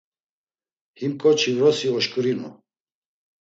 Him ǩoçi vrosi oşǩurinu.